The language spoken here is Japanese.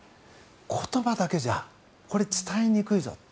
言葉だけじゃこれ、伝えにくいぞ。